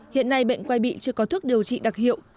hiện nay bệnh quay bị chưa có thuốc điều trị đặc hiệu